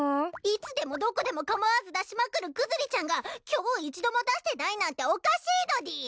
いつでもどこでも構わず出しまくるクズリちゃんが今日一度も出してないなんておかしいのでぃす。